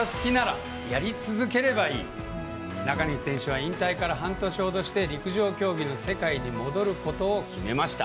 中西選手は引退から半年ほどして陸上競技の世界に戻ることを決めました。